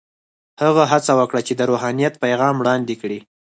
هغه هڅه وکړه چې د روحانیت پیغام وړاندې کړي.